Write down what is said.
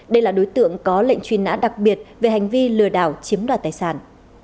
đây là đối tượng có lệnh truy nã đặc biệt về hành vi lừa đảo chiếm đoạt tài sản